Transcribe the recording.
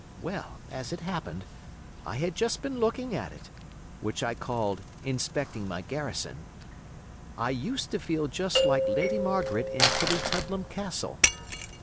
Well, as it happened, I had just been looking at it—which I called 'inspecting my garrison'. I used to feel just like Lady Margaret in Tillietudlam Castle.